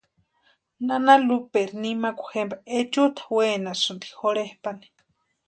Nana Lupaeri nimakwa jempa echutʼa wenasïnti jorhepʼantani.